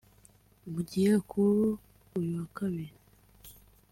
Mu gihe kuri uyu wa Kabiri